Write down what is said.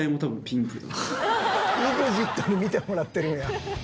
ＥＸＩＴに見てもらってるんや。